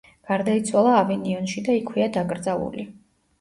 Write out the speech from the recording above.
გარდაიცვალა ავინიონში და იქვეა დაკრძალული.